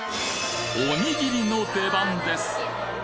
おにぎりの出番です！